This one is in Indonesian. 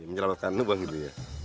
menjelaskan lubang gitu ya